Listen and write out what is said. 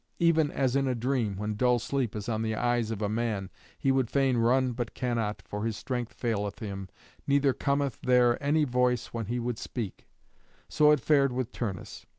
Even as in a dream, when dull sleep is on the eyes of a man, he would fain run but cannot, for his strength faileth him, neither cometh there any voice when he would speak; so it fared with Turnus.